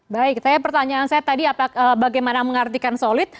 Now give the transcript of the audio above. baik pertanyaan saya tadi bagaimana mengartikan solid